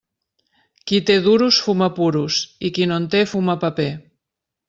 Qui té duros fuma puros i qui no en té fuma paper.